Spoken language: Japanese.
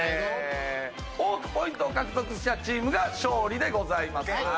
多くポイントを獲得したチームが勝利でございます。